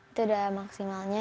itu udah maksimalnya